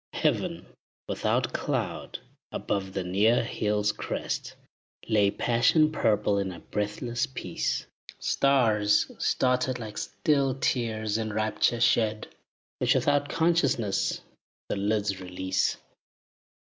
Heaven, without cloud, above the near hill's crest, Lay passion purple in a breathless peace. Stars started like still tears, in rapture shed, Which without consciousness the lids release.